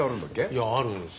いやあるんですよ。